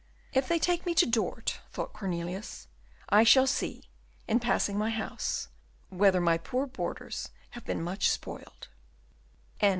"If they take me to Dort," thought Cornelius, "I shall see, in passing my house, whether my poor borders have been much spoiled."